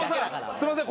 すいません